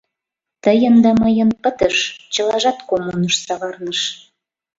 Тыйын да мыйын пытыш, чылажат коммуныш савырныш.